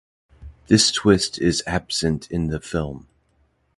This twist is absent in the film.